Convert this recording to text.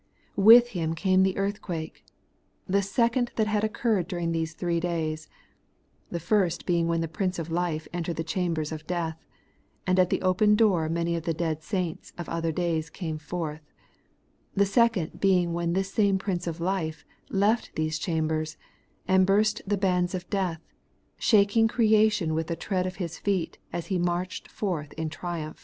With him came the earthquake, — the second that had occurred during these three days : the first being when the Prince of life entered the chambers of death, and at the open door many of the dead saints of other days came forth; the second being when this same Prince of life left these chambers, and burst the bands of death, shaking creation with the tread of His feet as He marched forth in triumph.